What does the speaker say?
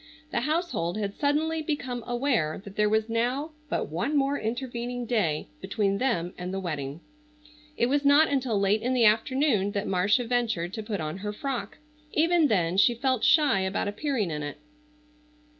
The household had suddenly become aware that there was now but one more intervening day between them and the wedding. It was not until late in the afternoon that Marcia ventured to put on her frock. Even then she felt shy about appearing in it.